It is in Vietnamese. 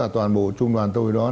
toàn bộ trung đoàn tôi đó